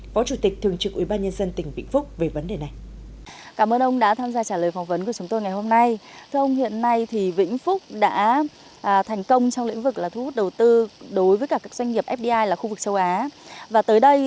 phó chủ tịch thường trực ủy ban nhân dân tỉnh vĩnh phúc về vấn đề này